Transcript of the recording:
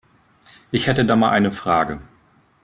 Ich hätte da mal eine Frage.